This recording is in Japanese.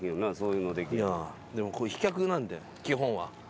でも飛脚なんで基本は。